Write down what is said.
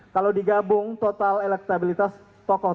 kalau digabung total elektabilitas tokoh tokoh